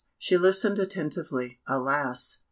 She listened attentively. "Alas!